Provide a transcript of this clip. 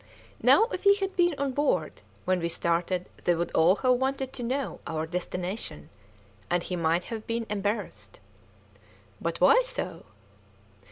Now if he had been on board when we started they would all have wanted to know our destination, and he might have been embarrassed." "But why so?"